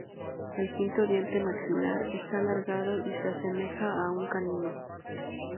El quinto diente maxilar está alargado y se asemeja a un canino.